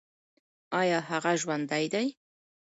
ایا هغه ژوندی دی؟